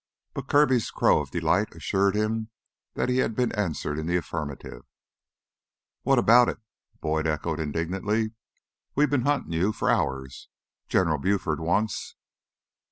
But Kirby's crow of delight assured him that he had been answered in the affirmative. "What about it?" Boyd echoed indignantly. "We've been huntin' you for hours. General Buford wants...."